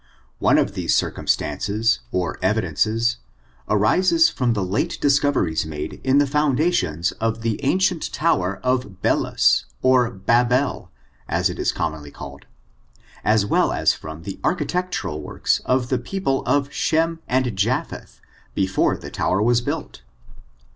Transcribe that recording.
One of these circum stances, or evidences, arises from the late discoveries made in the foundations of the ancient tower of Be lus, or Babel, as it is commonly called, as well as from the architectural works of the people of Shem and Japheth before the tower was built.